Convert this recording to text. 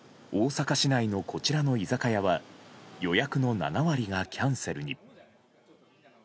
大阪市内のこちらの居酒屋は予約の７割がキャンセルに。